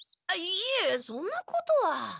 いいえそんなことは。